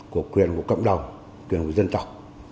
của quyền của cộng đồng quyền của dân tộc